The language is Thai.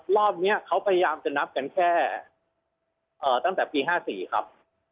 รอบนี้เขาพยายามจะนับกันแค่ตั้งแต่ปี๕๔ครับ